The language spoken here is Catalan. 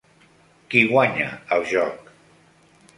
Qui guanya el joc?